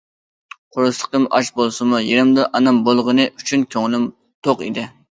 قورسىقىم ئاچ بولسىمۇ يېنىمدا ئانام بولغىنى ئۈچۈن كۆڭلۈم توق ئىدى.